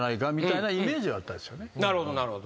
なるほどなるほど。